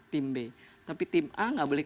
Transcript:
tim b tapi tim a nggak boleh